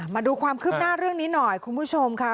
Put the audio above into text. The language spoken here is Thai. มาดูความคืบหน้าเรื่องนี้หน่อยคุณผู้ชมค่ะ